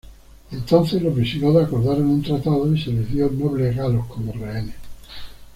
Entonces los visigodos acordaron un tratado y se les dio nobles galos como rehenes.